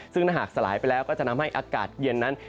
ซึ่งถ้าหากสลายไปแล้วก็จะทำให้อากาศเย็นนั้น